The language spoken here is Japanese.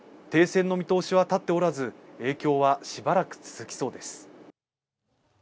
停戦の見通しは立っておらず、影響はしばらく続きそうです。